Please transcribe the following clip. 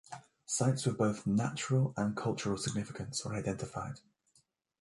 Sites with both natural and cultural significance were identified.